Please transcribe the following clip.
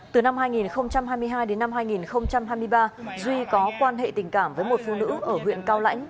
từ năm hai nghìn hai mươi hai đến năm hai nghìn hai mươi ba duy có quan hệ tình cảm với một phụ nữ ở huyện cao lãnh